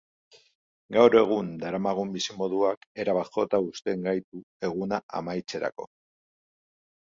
Gaur egun daramagun bizimoduak erabat jota uzten gaitu eguna amaitzerako.